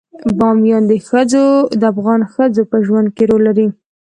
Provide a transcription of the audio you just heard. بامیان د افغان ښځو په ژوند کې رول لري.